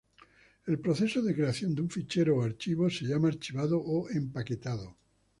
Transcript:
El proceso de creación de un fichero archivo se llama "archivado" o "empaquetado".